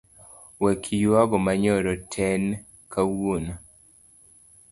Wek yuago manyoro ten kawuono.